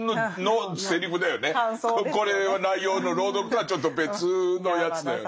これは内容の朗読とはちょっと別のやつだよね。